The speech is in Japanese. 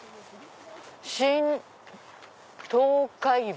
「新東海橋」。